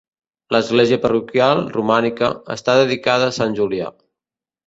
L'església parroquial, romànica, està dedicada a Sant Julià.